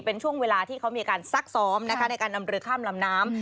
เป็นช่วงเวลาที่เขามีการซักซ้อมนะคะในการนำเรือข้ามลำน้ำ